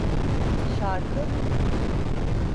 Şarkı?